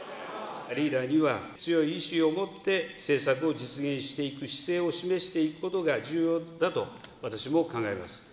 リーダーには強い意志を持って政策を実現していく姿勢を示していくことが重要だと私も考えます。